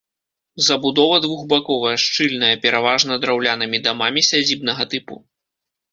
Забудова двухбаковая, шчыльная, пераважна драўлянымі дамамі сядзібнага тыпу.